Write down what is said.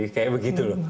kayak begitu loh